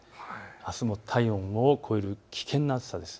あすも体温を超える危険な暑さです。